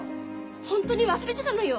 ホントに忘れてたのよ。